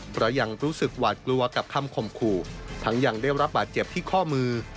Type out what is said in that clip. เพราะยังรู้สึกหวาดกลัวกับคำข่มขู่ทั้งยังได้รับบาดเจ็บที่ข้อมือ